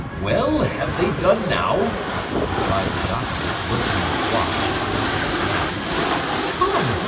'Well, have they done now?' replied the Doctor, looking at his watch, and clapping his hands. 'Come!